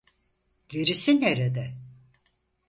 Gerisi nerede?